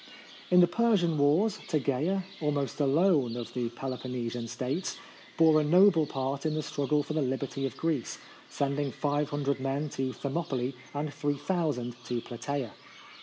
In the Persian wars, Tegea, almost alone of the Peloponnesian States, bore a noble part in the struggle for the liberty of Greece, sending 500 men to Thermopylae and 3000 to Plataea.